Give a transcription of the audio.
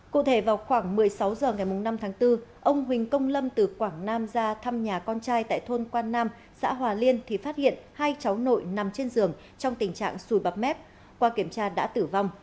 cụ thể vào khoảng một mươi sáu h ngày năm tháng bốn ông huỳnh công lâm từ quảng nam ra thăm nhà con trai tại thôn quan nam xã hòa liên thì phát hiện hai cháu nội nằm trên giường trong tình trạng sùi bắp mép qua kiểm tra đã tử vong